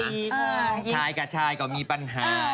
ชายกับชายก็มีปัญหา